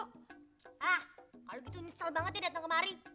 hah kalo gitu misal banget ya dateng kemari